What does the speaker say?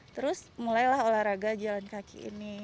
terus mulailah olahraga jalan kaki ini